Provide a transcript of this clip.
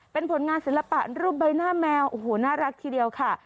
เป็นผลงานศิลปะรูปใบหน้าแมวโอ้โหน่ารักทีเดียวค่ะ